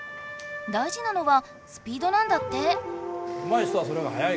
大じなのはスピードなんだって。